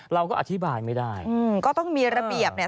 เราก็อธิบายไม่ได้อืมก็ต้องมีระเบียบเนี่ย